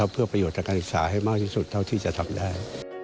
เพื่อประโยชน์ทางการศึกษาให้มากที่สุดเท่าที่จะทำได้